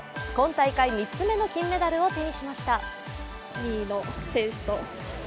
今大会３つ目の金メダルを